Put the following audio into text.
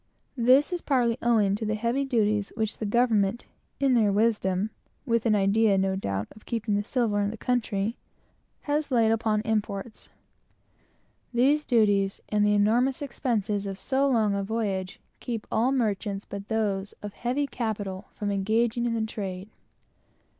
This is partly owing to the heavy duties which the government, in their wisdom, with the intent, no doubt, of keeping the silver in the country, has laid upon imports. These duties, and the enormous expenses of so long a voyage, keep all merchants, but those of heavy capital, from engaging in the trade.